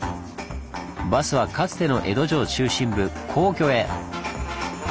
バスはかつての江戸城中心部皇居へ！